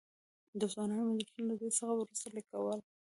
د ځوانانو مجلسونه؛ له دې څخه ورورسته ليکوال.